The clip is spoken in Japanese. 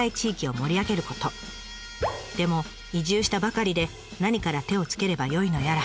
でも移住したばかりで何から手をつければよいのやら。